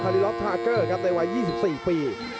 คาริลอฟทาร์เกอร์ครับในวัย๒๔ปี